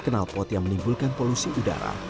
kenal pot yang menimbulkan polusi udara